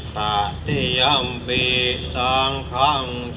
ปานาติปาตาเวระมะนิสิขาปะทังสมาธิยามี